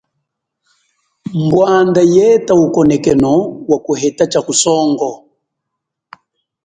Bwanda yeta ukonekeno wakuheta cha kusongo.